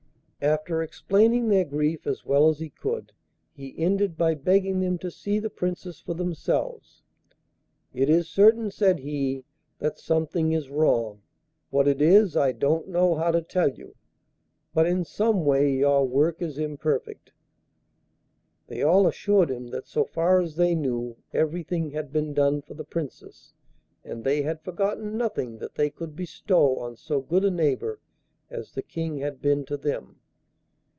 After explaining their grief as well as he could, he ended by begging them to see the Princess for themselves. 'It is certain,' said he, 'that something is wrong what it is I don't know how to tell you, but in some way your work is imperfect.' They all assured him that, so far as they knew, everything had been done for the Princess, and they had forgotten nothing that they could bestow on so good a neighbour as the King had been to them.